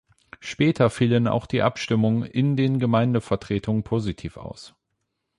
Später fielen auch die Abstimmungen in den Gemeindevertretungen positiv aus.